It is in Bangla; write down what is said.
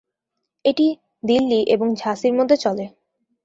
এটি দিল্লি এবং ঝাঁসির মধ্যে চলে।